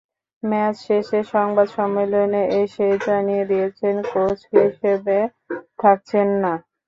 Match শেষে সংবাদ সম্মেলনে এসেই জানিয়ে দিয়েছেন কোচ হিসেবে থাকছেন না।